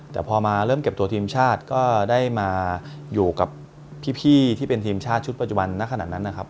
แต่พอมาเริ่มเก็บตัวทีมชาติก็ได้มาอยู่กับพี่ที่เป็นทีมชาติชุดปัจจุบันณขนาดนั้นนะครับ